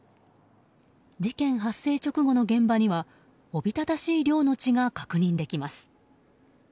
事件発生直後の現場にはおびただしい量の血が確認できます。